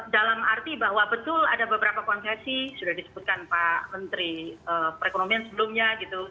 dalam arti bahwa betul ada beberapa konsesi sudah disebutkan pak menteri perekonomian sebelumnya gitu